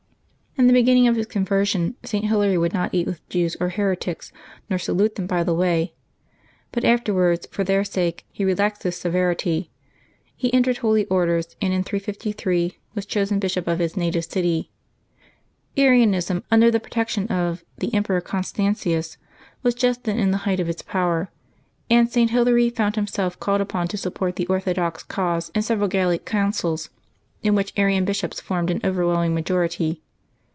In the beginning of his conversion St. Hilary would not eat with Jews or heretics, nor salute them by the way ; but afterwards, for their sake, he relaxed this severity. He entered Holy Orders, and in 353 was chosen bishop of his native city. Arianism, under the protection of the Emperor Constantius, was just then in the height of its power, and St. Hilary found himself called upon to support the orthodox cause in several Gallic councils, in which Arian bishops formed an overwhelming majority.